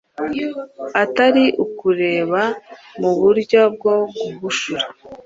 atari ukureba mu buryo bwo guhushura